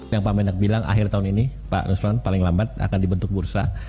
yang pak mendak bilang akhir tahun ini pak nusron paling lambat akan dibentuk bursa